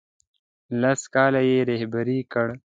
لس کاله یې رهبري کړ.